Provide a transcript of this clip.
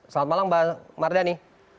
selamat malam bang mardhani